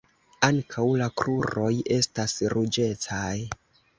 Ankaŭ la kruroj estas ruĝecaj.